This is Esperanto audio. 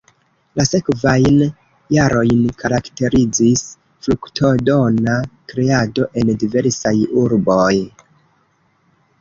La sekvajn jarojn karakterizis fruktodona kreado en diversaj urboj.